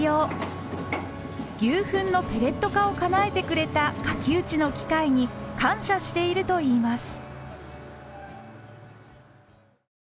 牛ふんのペレット化をかなえてくれた垣内の機械に感謝しているといいます。